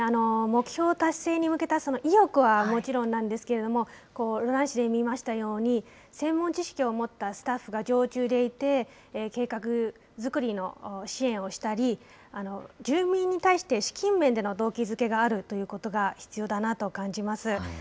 目標達成に向けた、その意欲はもちろんなんですけれども、ロラン市で見ましたように、専門知識を持ったスタッフが常駐でいて、計画作りの支援をしたり、住民に対して、資金面での動機づけがあるということが必要だなと感じます。